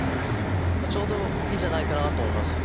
ちょうどいいんじゃないかなと思います